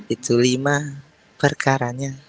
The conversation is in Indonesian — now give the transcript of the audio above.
itu lima perkaranya